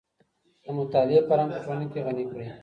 د مطالعې فرهنګ په ټولنه کي غني کړئ.